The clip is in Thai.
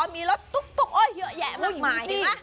มีรถเยอะแยะมาก